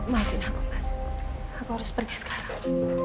maafin aku mas aku harus pergi sekarang